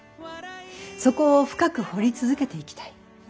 そこを深く掘り続けていきたい。